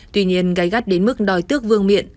tuy nhiên gái gắt đến mức đòi tước vương miện